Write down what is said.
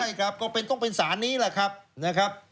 ใช่ครับก็ต้องเป็นสารนี้แหละครับนะครับ